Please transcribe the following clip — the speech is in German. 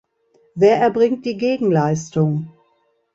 Wer erbringt die Gegenleistung?